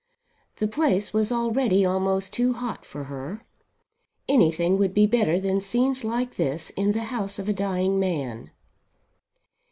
The place was already almost "too hot" for her. Anything would be better than scenes like this in the house of a dying man.